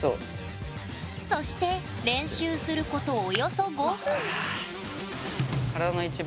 そして練習することおよそ５分体の一部！